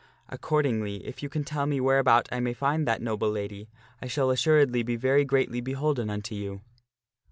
Accordingly, if you can tell me whereabout I may find that noble lady, I shall assuredly be very greatly beholden unto you."